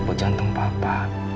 buat jantung papa